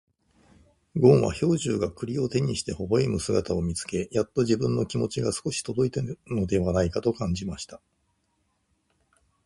ごんは兵十が栗を手にして微笑む姿を見つけ、やっと自分の気持ちが少し届いたのではないかと感じました。